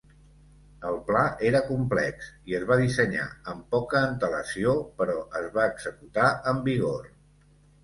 El pla era complex i es va dissenyar amb poca antelació, però es va executar amb vigor.